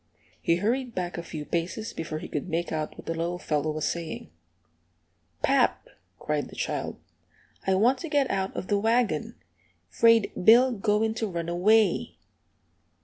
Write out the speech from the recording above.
He hurried back a few paces before he could make out what the little fellow was saying. "Pap," cried the child, "I want to get out of the wagon. 'Fraid Bill goin' to run away!"